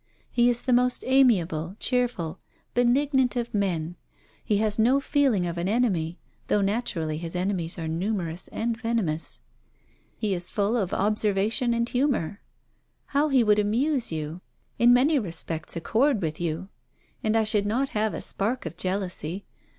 He is the most amiable, cheerful, benignant of men; he has no feeling of an enemy, though naturally his enemies are numerous and venomous. He is full of observation and humour. How he would amuse you! In many respects accord with you. And I should not have a spark of jealousy.